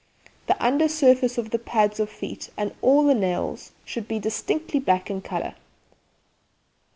The under surface of the pads of feet and all the nails should be distinctly black in colour.